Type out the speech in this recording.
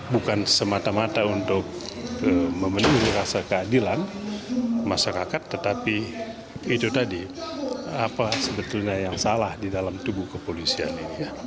bukan semata mata untuk memenuhi rasa keadilan masyarakat tetapi itu tadi apa sebetulnya yang salah di dalam tubuh kepolisian ini